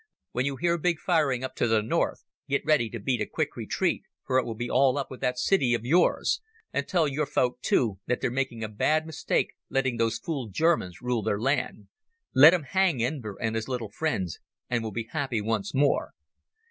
When you hear big firing up to the north get ready to beat a quick retreat, for it will be all up with that city of yours. And tell your folk, too, that they're making a bad mistake letting those fool Germans rule their land. Let them hang Enver and his little friends, and we'll be happy once more."